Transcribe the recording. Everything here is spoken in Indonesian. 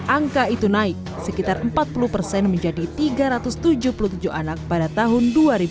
angka itu naik sekitar empat puluh persen menjadi tiga ratus tujuh puluh tujuh anak pada tahun dua ribu dua puluh